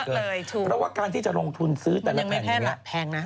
เพราะว่าการที่จะลงทุนซื้อแต่ละแผ่นหนึ่ง